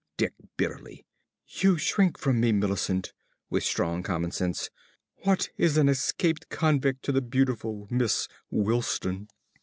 _) ~Dick~ (bitterly). You shrink from me, Millicent. (With strong common sense.) What is an escaped convict to the beautiful Miss Wilsdon?